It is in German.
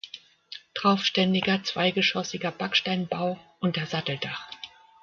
Traufständiger zweigeschossiger Backsteinbau unter Satteldach.